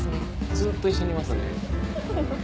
ずっと一緒にいますね。